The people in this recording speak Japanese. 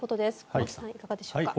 駒木さん、いかがでしょうか？